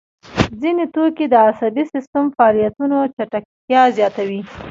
ځیني توکي د عصبي سیستم فعالیتونه چټکتیا زیاتوي.